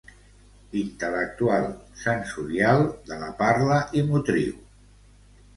Intel·lectual, sensorial, de la parla i motriu.